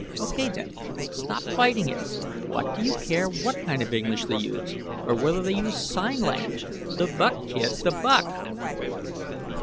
"Okay, then. Stop fighting it. What do you care what kind of English they use? Or whether they used sign language. The buck, kid, the buck."